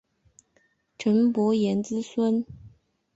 岑伯颜之孙。